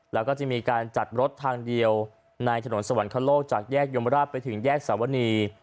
แล้วก็จะมีการจัดรถทางเดียวในถนนสวรรคโลกจากแยกยมราชไปถึงแยกสวนี